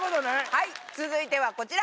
はい続いてはこちら。